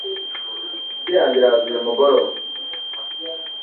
Inshuti yanjye iraza uyu mugoroba.